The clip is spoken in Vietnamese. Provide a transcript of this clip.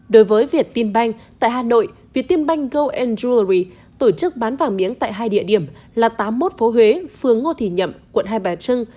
đối với vietinbank tại hà nội vietinbank gold jewelry tổ chức bán vàng miếng tại hai địa điểm là tám mươi một phố huế phường ngô thị nhậm quận hai bà trưng